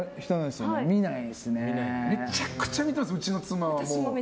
めちゃくちゃ見てますうちの妻はもう。